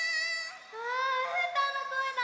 あうーたんのこえだ！